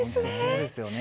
そうですよね。